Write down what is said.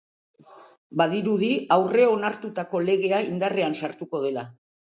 Badirudi aurreonartutako legea indarrean sartuko dela.